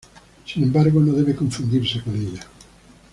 Sin embargo, no debe confundirse con ella.